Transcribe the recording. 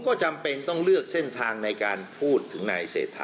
ก็จำเป็นต้องเลือกเส้นทางในการพูดถึงนายเศรษฐา